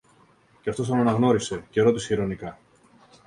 Και αυτός τον αναγνώρισε, και ρώτησε ειρωνικά